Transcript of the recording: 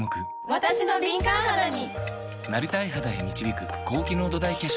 わたしの敏感肌に！